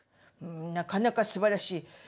なかなかすばらしい。